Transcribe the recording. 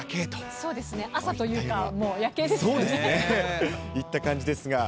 そうですね、朝というか、そうですね。といった感じですが。